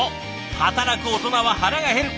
働くオトナは腹が減る！